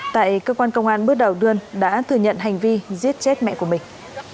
tại cơ quan công an bước đầu đưaơn đã thừa nhận hành vi giết chết mẹ của mình